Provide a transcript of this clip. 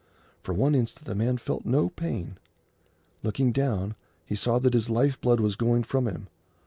For one instant the man felt no pain. Looking down, he saw that his life blood was going from him.